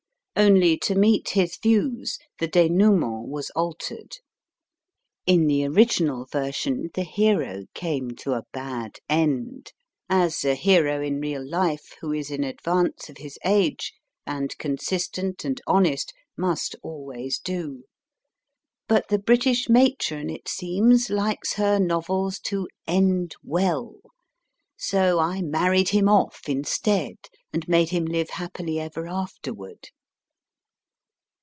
Only, to meet his views, the denoiiment was altered. In the original version, the hero came to a bad end, as a hero in real life who is in advance of E 2 52 MY FIRST BOOK his age, and consistent and honest, must always do. But the British matron, it seems, likes her novels to end well ; so I married him off instead, and made him live happily ever afterward.